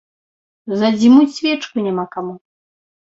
Задзьмуць свечкі няма каму.